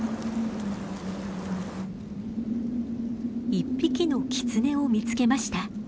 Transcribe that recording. １匹のキツネを見つけました。